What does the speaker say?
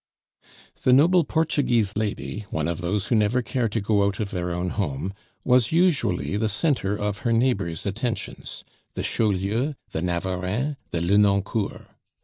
The noble Portuguese lady, one of those who never care to go out of their own home, was usually the centre of her neighbors' attentions the Chaulieus, the Navarreins, the Lenoncourts.